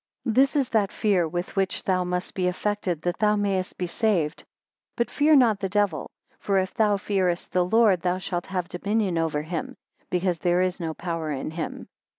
2 This is that tear with which thou must be affected that thou mayest be saved. But fear not the Devil: for if thou fearest the Lord, thou shalt have dominion over him; because there is no power in him.